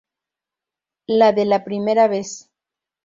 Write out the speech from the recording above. La de la primera vez".